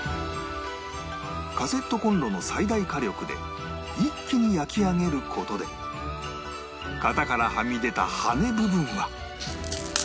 カセットコンロの最大火力で一気に焼き上げる事で型からはみ出た羽部分は